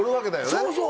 そうそう！